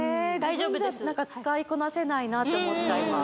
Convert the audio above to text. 自分じゃ使いこなせないなって思っちゃいます